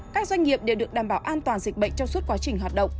các doanh nghiệp đều được đảm bảo an toàn dịch bệnh trong suốt quá trình hoạt động